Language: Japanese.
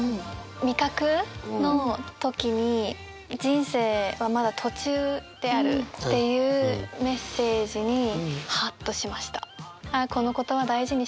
味覚の時に人生はまだ途中であるっていうメッセージにはっとしました。